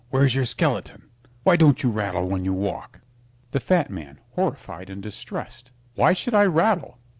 Where's your skeleton? Why don't you rattle when you walk? THE FAT MAN (horrified and distressed) Why should I rattle?